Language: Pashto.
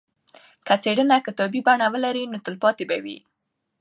که څېړنه کتابي بڼه ولري نو تلپاتې به وي.